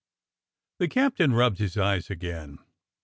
The captain rubbed his eyes again.